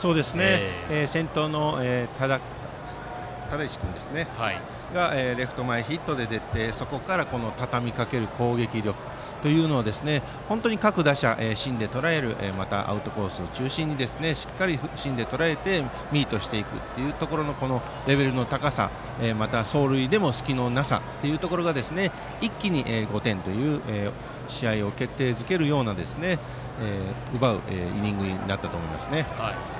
先頭の只石君レフト前ヒットで出てそこからたたみかける攻撃力は各打者、アウトコース中心にしっかり芯でとらえてミートしていくレベルの高さまた走塁での隙のなさが一気に５点という試合を決定付けるような得点を奪うイニングになったと思います。